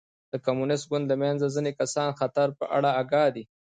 د کمونېست ګوند له منځه ځیني کسان د خطر په اړه اګاه دي.